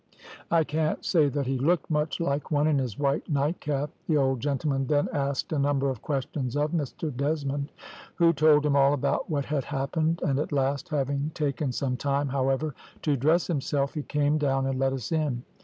"I can't say that he looked much like one in his white night cap. The old gentleman then asked a number of questions of Mr Desmond, who told him all about what had happened, and at last, having taken some time, however, to dress himself, he came down and let us in.